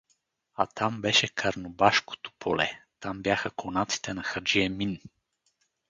А там беше Карнобашкото поле, там бяха конаците на хаджи Емин.